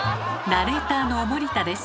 ナレーターの森田です。